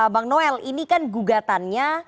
bang noel ini kan gugatannya